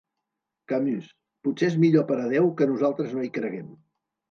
Camus: potser és millor per a Déu que nosaltres no hi creguem.